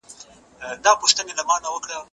زه اجازه لرم چي د کتابتون کتابونه لوستل کړم؟!